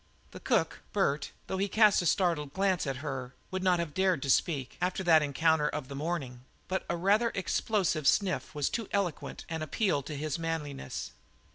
The cook, Bert, though he cast a startled glance at her would not have dared to speak, after that encounter of the morning, but a rather explosive sniff was too eloquent an appeal to his manliness.